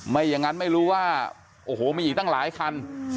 ไม่อย่างนั้นไม่รู้ว่าโอ้โหมีอีกตั้งหลายคัน